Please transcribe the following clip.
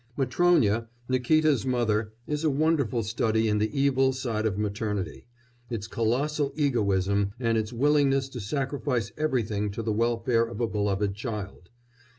Matrónya, Nikíta's mother, is a wonderful study in the evil side of maternity its colossal egoism and its willingness to sacrifice everything to the welfare of a beloved child.